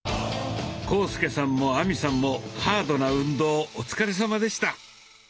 浩介さんも亜美さんもハードな運動お疲れさまでした。